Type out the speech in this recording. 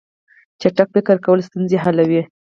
چټک فکر کول ستونزې حلوي.